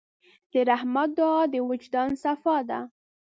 د رحمت دعا د وجدان صفا ده.